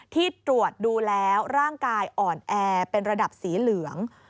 ที่ตรวจดูแล้วร่างกายอ่อนแอเป็นระดับสีเหลือง